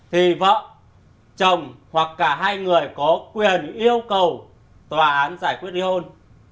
thì vợ chồng hoặc cả hai người có quyền yêu cầu tòa án giải quyết li hôn